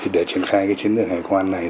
để triển khai chiến lược hải quan này